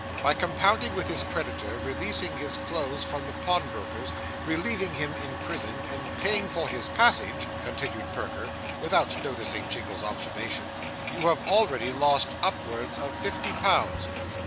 'By compounding with his creditor, releasing his clothes from the pawnbroker's, relieving him in prison, and paying for his passage,' continued Perker, without noticing Jingle's observation, 'you have already lost upwards of fifty pounds.